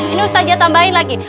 ini ustazah tambahin lagi